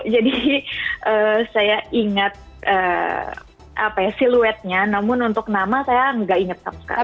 jadi saya ingat siluetnya namun untuk nama saya nggak ingat sama sekali